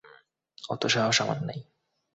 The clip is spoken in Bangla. অতো সাহস আমার নাই।